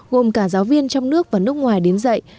gồm cả giáo viên trong nước và nước ngoài đến dạy